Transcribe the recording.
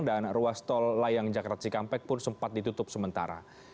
ruas tol layang jakarta cikampek pun sempat ditutup sementara